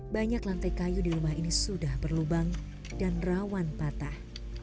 banyak lantai kayu di rumah ini sudah berlubang dan rawan patah